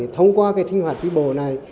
thông qua cái sinh hoạt tri bộ này